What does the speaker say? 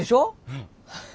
うん。